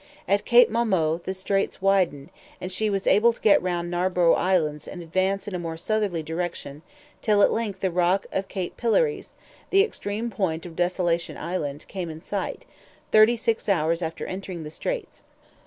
At Cape Momax the straits widened, and she was able to get round Narborough Isles and advance in a more southerly direction, till at length the rock of Cape Pilares, the extreme point of Desolation Island, came in sight, thirty six hours after entering the straits.